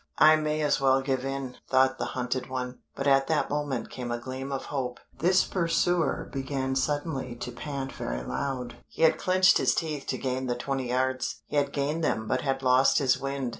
"I may as well give in," thought the hunted one but at that moment came a gleam of hope; this pursuer began suddenly to pant very loud. He had clinched his teeth to gain the twenty yards; he had gained them but had lost his wind.